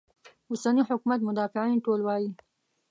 اوسني حکومت مدافعین ټول وایي.